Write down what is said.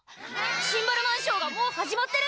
シンバルマンショーがもう始まってる！